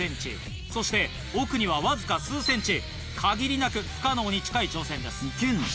そして奥にはわずか数ｃｍ限りなく不可能に近い挑戦です。